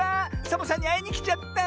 サボさんにあいにきちゃった！